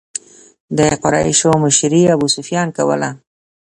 د قریشو مشري ابو سفیان کوله.